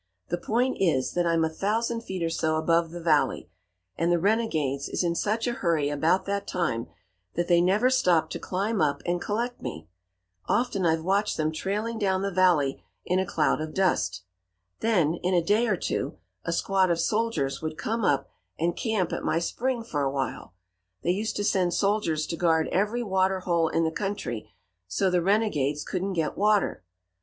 The point is that I'm a thousand feet or so above the valley, and the renegades is in such a hurry about that time that they never stop to climb up and collect me. Often I've watched them trailing down the valley in a cloud of dust. Then, in a day or two, a squad of soldiers would come up and camp at my spring for a while. They used to send soldiers to guard every water hole in the country so the renegades couldn't get water.